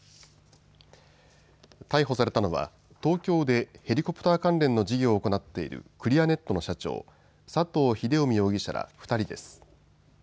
逮捕されたのは東京でヘリコプター関連の事業を行っているクリアネットの社長、佐藤秀臣容疑者ら２人です。